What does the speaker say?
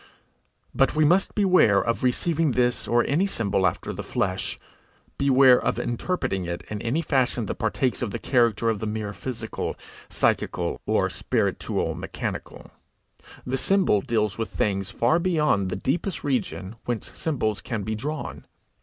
But we must beware of receiving this or any symbol after the flesh, beware of interpreting it in any fashion that partakes of the character of the mere physical, psychical, or spirituo mechanical. The symbol deals with things far beyond the deepest region whence symbols can be drawn.